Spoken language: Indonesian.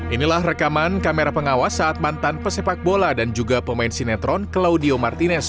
inilah rekaman kamera pengawas saat mantan pesepak bola dan juga pemain sinetron claudio martinez